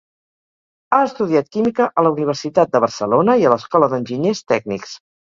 Ha estudiat química a la Universitat de Barcelona i a l'Escola d'Enginyers Tècnics.